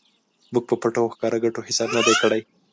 موږ په پټو او ښکاره ګټو حساب نه دی کړی.